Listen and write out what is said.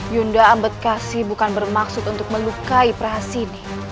yunda ambetkasi bukan bermaksud untuk melukai prahasis ini